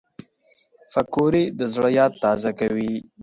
پکورې د زړه یاد تازه کوي